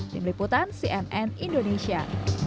tim liputan cnn indonesia